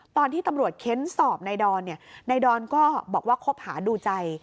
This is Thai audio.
ตอนที่ตำรวจเค้นสอบนายดอนนายดอนก็บอกว่าคบหาดูใจ